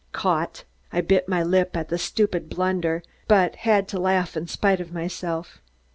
Caught! I bit my lip at my stupid blunder, but had to laugh in spite of myself.